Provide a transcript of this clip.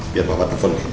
biar papa telfon ya